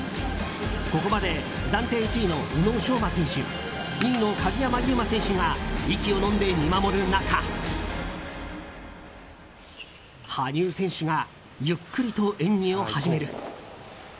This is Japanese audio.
ここまで暫定１位の宇野昌磨選手２位の鍵山優真選手が息をのんで見守る中羽生選手がゆっくりと演技を始める。